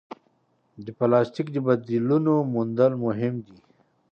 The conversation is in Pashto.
د پلاسټیک د بدیلونو موندل مهم دي.